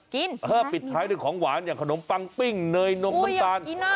ปิดท้ายด้วยของหวานอย่างขนมปังปิ้งเนยนมน้ำตาล